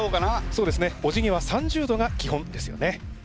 そうですねおじぎは３０度が基本ですよね。